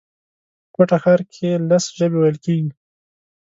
په کوټه ښار کښي لس ژبي ویل کېږي